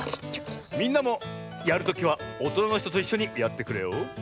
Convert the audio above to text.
みんなもやるときはおとなのひとといっしょにやってくれよ。